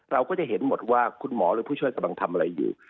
เราก็จะเห็นหมดว่าคุณหมอหรือผู้ช่วยกำลังทำอะไรอยู่